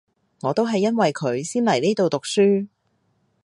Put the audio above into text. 我都係因為佢先嚟呢度讀書